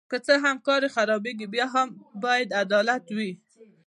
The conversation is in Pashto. که څه هم کار یې خرابیږي بیا هم باید عدالت وي.